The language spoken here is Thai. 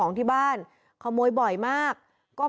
พุ่งเข้ามาแล้วกับแม่แค่สองคน